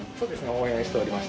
応援しております。